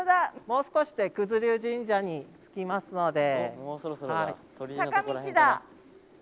もう少しで九頭龍神社に着きますので。